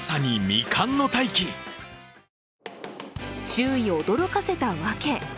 周囲を驚かせた訳。